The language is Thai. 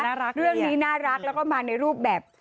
เรื่องนี้น่ารักแล้วก็มาในรูปแบบ